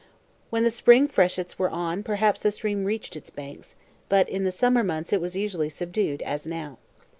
When the spring freshets were on perhaps the stream reached its banks, but in the summer months it was usually subdued as now.